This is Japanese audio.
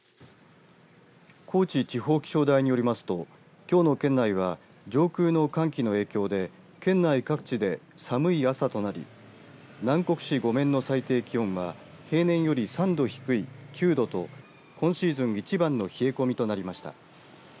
高知地方気象台によりますときょうの県内は上空の寒気の影響で県内各地で寒い朝となり南国市後免の最低気温は平年より３度低い９度と今シーズン一番の冷え込みとなりました。